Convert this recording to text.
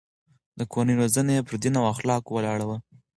د کورنۍ روزنه يې پر دين او اخلاقو ولاړه وه.